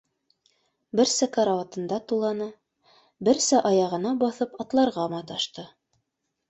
Берсә карауатында туланы, берсә аяғына баҫып атларға ла маташты.